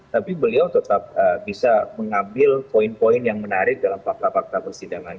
tapi beliau tetap bisa mengambil poin poin yang menarik dalam fakta fakta persidangan